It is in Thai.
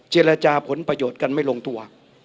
เจรจาผลประโยชน์กันไม่ลงตัว